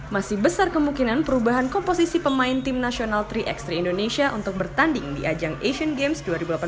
masih besar kemungkinan perubahan komposisi pemain tim nasional tiga x tiga indonesia untuk bertanding di ajang asian games dua ribu delapan belas